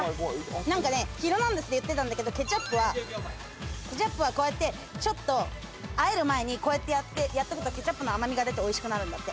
なんかね『ヒルナンデス！』で言ってたんだけどケチャップはケチャップはこうやってちょっと和える前にこうやってやっとくとケチャップの甘みが出て美味しくなるんだって。